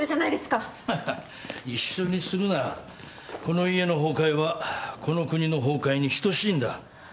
この家の崩壊はこの国の崩壊に等しいんだ。